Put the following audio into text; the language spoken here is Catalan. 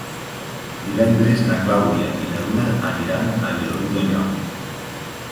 Divendres na Clàudia i na Duna aniran a Vilobí d'Onyar.